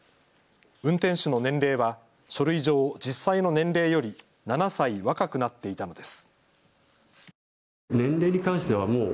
運転手の年齢は書類上、実際の年齢より７歳若くなっていたのです。